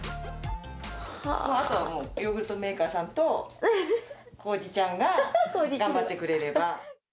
あとはもう、ヨーグルトメーカーさんとこうじちゃんが頑張ってくれれば。